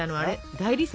大理石。